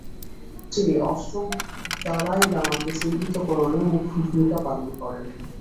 তিনি অষ্টম দলাই লামাকে চিহ্নিতকরণেও মুখ্য ভূমিকা পালন করেন।